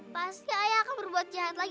pasti ayah akan berbuat jahat lagi sama kita